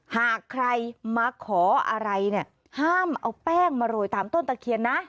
หากใครมาขออะไรเนี่ยห้ามเอาแป้งมาโรยตามต้นตะเคียนนะ